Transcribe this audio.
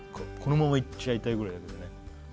このままいっちゃいたいぐらいだよね